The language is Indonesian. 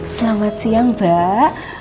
selamat siang mbak